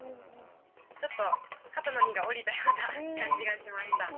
ちょっと肩の荷が下りたような感じがしました。